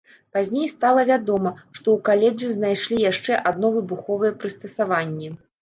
Пазней стала вядома, што ў каледжы знайшлі яшчэ адно выбуховае прыстасаванне.